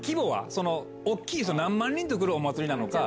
その大きいと、何万人と来るお祭りなのか。